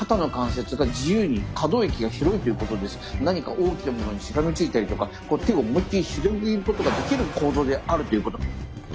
あともう一つが何か大きなものにしがみついたりとか手を思いっきり広げることができる構造であるということ。